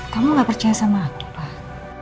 kamu gak percaya sama aku pak